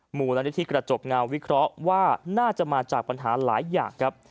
มูลนิธิกระจกเงาวิเคราะห์ว่าน่าจะมาจากปัญหาหลายอย่างครับ